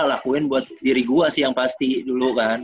lakuin buat diri gue sih yang pasti dulu kan